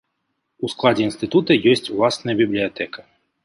У складзе інстытута ёсць ўласная бібліятэка.